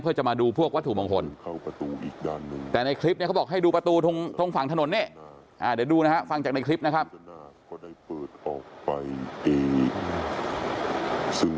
เพื่อจะมาดูพวกวัดถุมงคลเข้าประตูอีกด้านหนึ่ง